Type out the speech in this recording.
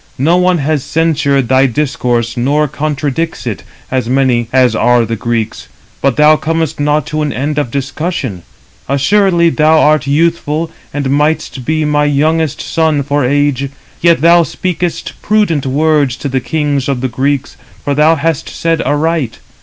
No one has censured thy discourse, nor contradicts it, as many as are the Greeks; but thou comest not to an end of discussion. 294 Assuredly thou art youthful, and mightst be my youngest son for age, yet thou speakest prudent words to the kings of the Greeks, for thou hast said aright.